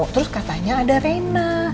terus katanya ada reina